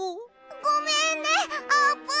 ごめんねあーぷん！